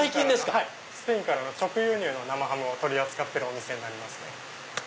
スペインから直輸入の生ハムを取り扱ってるお店になりますね。